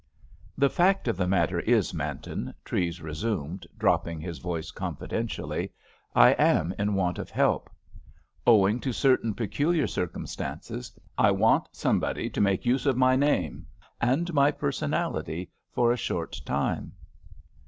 "The fact of the matter is, Manton," Treves resumed, dropping his voice confidentially, "I am in want of help. Owing to certain peculiar circumstances, I want somebody to make use of my name and my personality for a short time."